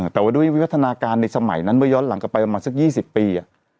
แต่ว่าด้วยวิวัฒนาการในสมัยนั้นเมื่อย้อนหลังกลับไปประมาณสัก๒๐ปี